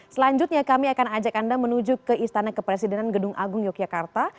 selanjutnya kami akan ajak anda menuju ke istana kepresidenan gedung agung yogyakarta